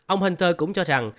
ông hunter cũng cho rằng